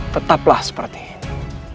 tetaplah seperti ini